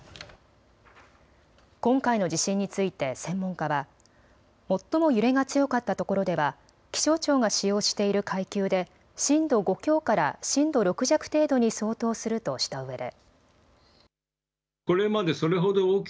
今回の地震について専門家は最も揺れが強かったところでは気象庁が使用している階級で震度５強から震度６弱程度に相当するとしたうえで。